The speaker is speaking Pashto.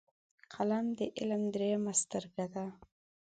قلم د علم دریمه سترګه ده